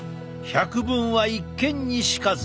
「百聞は一見にしかず」。